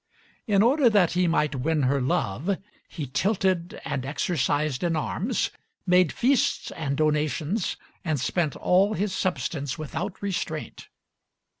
In order that he might win her love he tilted and exercised in arms, made feasts and donations, and spent all his substance without restraint.